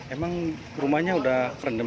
emang rumahnya sudah rendam